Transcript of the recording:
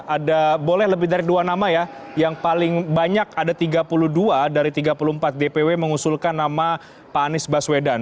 ada boleh lebih dari dua nama ya yang paling banyak ada tiga puluh dua dari tiga puluh empat dpw mengusulkan nama pak anies baswedan